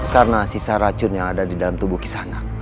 karena sisa racun yang ada di dalam tubuh kisanak